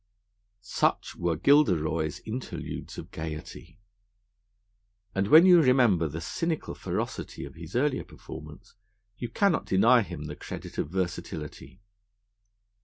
Such were Gilderoy's interludes of gaiety; and when you remember the cynical ferocity of his earlier performance, you cannot deny him the credit of versatility.